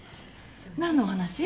何のお話？